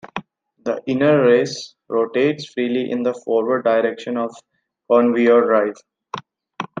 The inner race rotates freely in the forward direction of the conveyor drive.